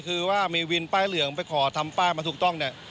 คือว่ามีวินป้ายเหลืองไปขอทำป้ายมาถูกต้องเนี่ย